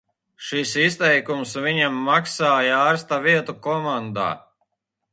Šis izteikums viņam maksāja ārsta vietu komandā.